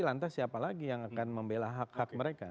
lantas siapa lagi yang akan membela hak hak mereka